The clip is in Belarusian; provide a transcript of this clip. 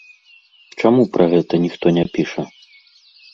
Чаму пра гэта ніхто не піша?